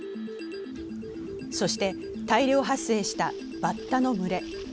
そして大量発生したバッタの群れ。